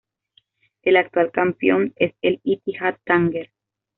El actual campeón es el Ittihad Tanger.